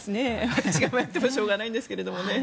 私が迷ってもしょうがないんですけどね。